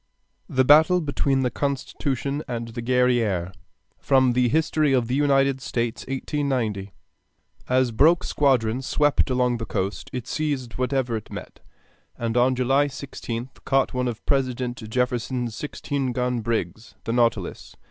THE BATTLE BETWEEN THE CONSTITUTION AND THE GUERRIÈRE From 'History of the United States': copyright 1890, by Charles Scribner's Sons. As Broke's squadron swept along the coast it seized whatever it met, and on July 16th caught one of President Jefferson's sixteen gun brigs, the Nautilus.